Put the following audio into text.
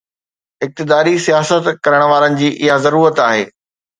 اقتداري سياست ڪرڻ وارن جي اها ضرورت آهي.